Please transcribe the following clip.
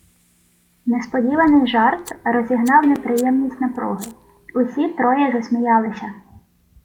Несподіваний жарт розігнав неприємність напруги, й усі троє засміялися.